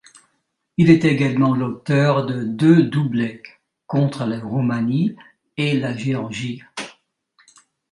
Il est également l'auteur de deux doublés, contre la Roumanie et la Géorgie.